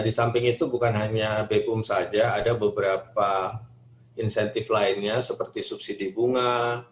di samping itu bukan hanya bekum saja ada beberapa insentif lainnya seperti subsidi bunga